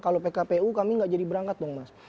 kalau pkpu kami nggak jadi berangkat dong mas